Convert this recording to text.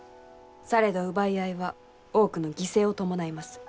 されど奪い合いは多くの犠牲を伴います。